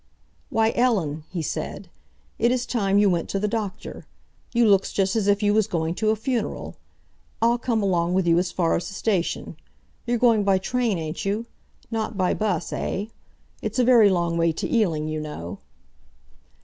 "Why, Ellen," he said, "it is time you went to the doctor. You looks just as if you was going to a funeral. I'll come along with you as far as the station. You're going by train, ain't you? Not by bus, eh? It's a very long way to Ealing, you know."